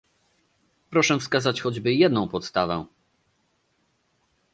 Proszę wskazać choćby jedną podstawę!